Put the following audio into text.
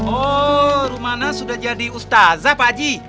oh rumana sudah jadi ustazah pak haji